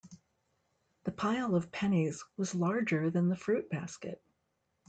The pile of pennies was larger than the fruit basket.